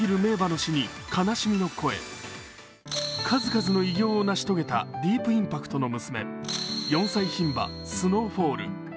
数々の偉業を成し遂げたディープインパクトの娘、４歳ひん馬スノーフォール。